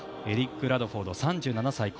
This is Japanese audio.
エリック・ラドフォード３７歳。